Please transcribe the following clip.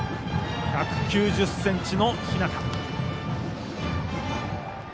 １９０ｃｍの日當。